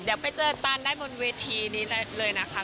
เดี๋ยวไปเจอตันได้บนเวทีนี้เลยนะคะ